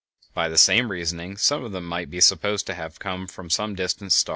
By the same reasoning some of them might be supposed to have come from some distant star.